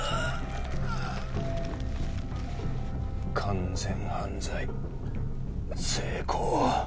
完全犯罪成功。